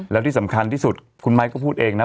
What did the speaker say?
แล้วที่สำคัญที่สุดคุณไม้ก็พูดเองนะ